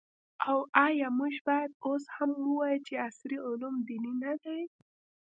او آیا موږ باید اوس هم ووایو چې عصري علوم دیني نه دي؟